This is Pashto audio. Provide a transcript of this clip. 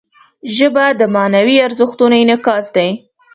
ژبه د معنوي ارزښتونو انعکاس دی